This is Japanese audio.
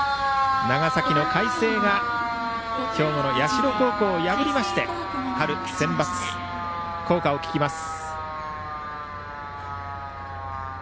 長崎の海星が兵庫の社高校を破りまして春センバツ、校歌を聞きます。